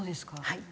はい。